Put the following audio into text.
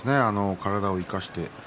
体を生かして。